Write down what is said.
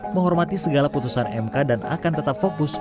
menghormati segala putusan mk dan akan tetap fokus